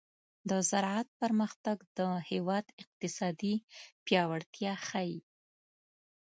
د زراعت پرمختګ د هېواد اقتصادي پیاوړتیا ښيي.